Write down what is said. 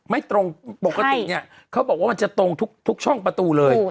ไม่ตรงปกติเนี่ยเขาบอกว่ามันจะตรงทุกช่องประตูเลย